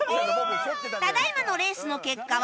ただ今のレースの結果は？